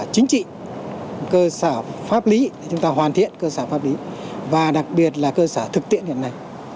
chính trị cơ sở pháp lý để chúng ta hoàn thiện cơ sở pháp lý và đặc biệt là cơ sở thực tiễn hiện nay